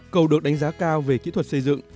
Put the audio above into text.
cầu được đánh giá cao về kỹ thuật xây dựng